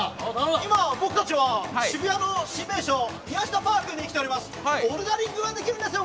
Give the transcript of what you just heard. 今、僕たちは渋谷の新名所ミヤシタパークに来ております。